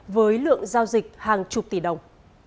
với lượng giao dịch hàng chục tỷ đồng